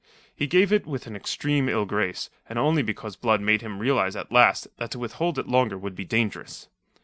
He gave it with an extreme ill grace, and only because Blood made him realize at last that to withhold it longer would be dangerous.